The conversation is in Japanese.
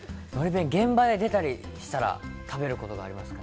現場に出たりしたら食べることがあります。